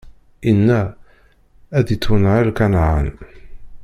Inna: Ad ittwanɛel Kanɛan!